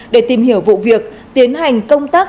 để tìm hiểu vụ việc tiến hành công tác